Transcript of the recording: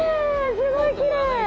すごいきれーい。